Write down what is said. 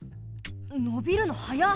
のびるのはやっ！